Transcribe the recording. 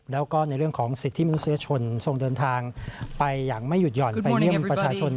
และก็ในเรื่องของศิลป์ที่มุฒราชชนส่งเดินทางไปอย่างไม่หยุดหย่อน